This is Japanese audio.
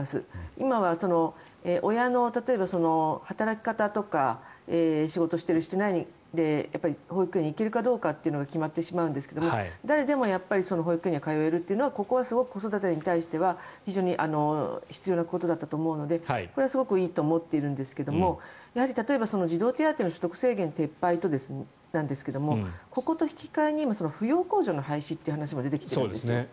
今は親の働き方とか仕事をしているしていないによって保育園に行けるかどうかってのが決まってしまうんですが誰でも保育園に通えるのはここはすごく子育てに対しては非常に必要なことだったと思うのでこれはすごくいいと思っているんですが児童手当の所得制限撤廃ですがここと引き換えに今、扶養控除の廃止という話も出てきているんです。